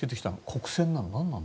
国選なの？